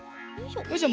よいしょ。